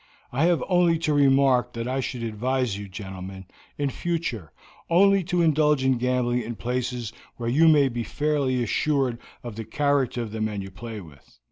I have only to remark that I should advise you, gentlemen, in future, only to indulge in gambling in places where you may be fairly assured of the character of the men you play with.